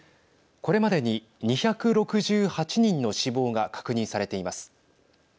これまでに２６８人の死亡が確認されています。